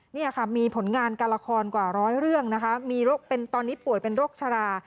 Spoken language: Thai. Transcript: นี่ค่ะมีผลงานการละครกว่าร้อยเรื่องนะคะมีตอนนี้ป่วยเป็นโรคชรา